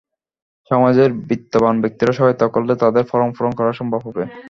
সমাজের বিত্তবান ব্যক্তিরা সহায়তা করলে তাদের ফরম পূরণ করা সম্ভব হবে।